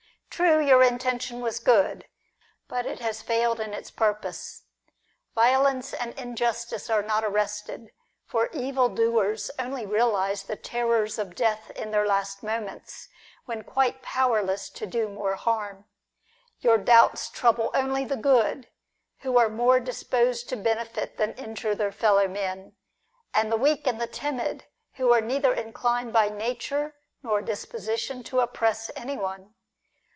"True, your intention was good. But it has failed in its purpose. Violence and injustice are not arrested, for evil doers only realise the terrors of death in their last moments, when quite powerless to do more harm. Your doubts trouble only the good, who are more dis posed to benefit than injure their fellow men, and the weak and timid, who are neither inclined by nature nor disposition to oppress anyone.